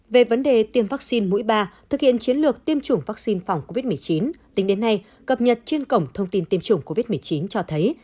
về vấn đề tiêm vaccine mũi ba thực hiện chiến lược tiêm chủng vaccine phòng covid một mươi chín tính đến nay cập nhật trên cổng thông tin tiêm chủng covid một mươi chín cho thấy